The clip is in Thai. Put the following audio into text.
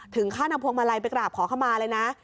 ถึงขั้นนำพวงมาลัยไปกราบขอเข้ามาเลยนะ